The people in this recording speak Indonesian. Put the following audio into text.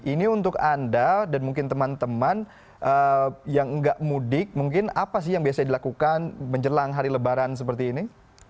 ini untuk anda dan mungkin teman teman yang nggak mudik mungkin apa sih yang biasa dilakukan menjelang hari lebaran seperti ini